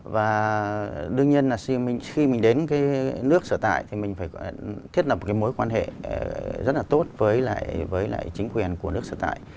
và đương nhiên là khi mình đến nước sở tại thì mình phải thiết lập cái mối quan hệ rất là tốt với lại chính quyền của nước sở tại